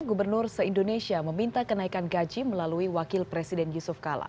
gubernur se indonesia meminta kenaikan gaji melalui wakil presiden yusuf kala